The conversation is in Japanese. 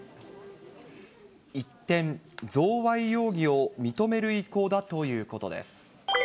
一転、贈賄容疑を認める意向だということです。